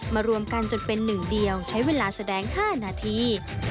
รวมกันจนเป็นหนึ่งเดียวใช้เวลาแสดง๕นาที